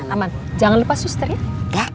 jangan lepas suster ya